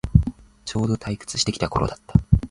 ちょうど退屈してきた頃だった